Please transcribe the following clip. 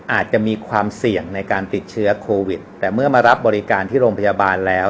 อาจจะมีความเสี่ยงในการติดเชื้อโควิดแต่เมื่อมารับบริการที่โรงพยาบาลแล้ว